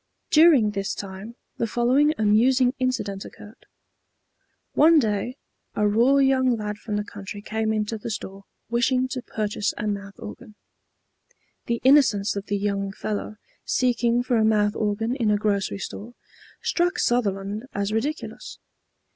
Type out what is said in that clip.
During this time the following amusing incident occurred. One day a raw young lad from the country came into the store wishing to purchase a mouth organ. The innocence of the young fellow, seeking for a mouth organ in a grocery store, struck Sutherland as ridiculous.